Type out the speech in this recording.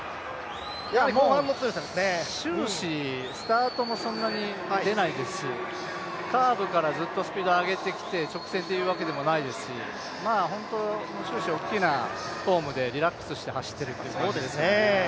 終始、スタートもそんなに出ないですしカーブからスピードを上げてきて直線というわけでもないですし、終始大きなフォームでリラックスして走っているという感じですかね。